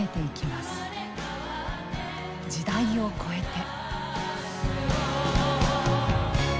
時代を超えて。